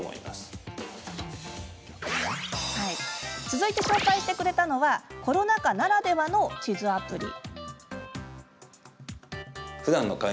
続いて紹介してくれたのはコロナ禍ならではの地図アプリ。